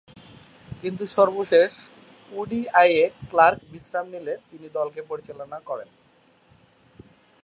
কিন্তু সর্বশেষ ওডিআইয়ে ক্লার্ক বিশ্রাম নিলে তিনি দলকে পরিচালনা করেন।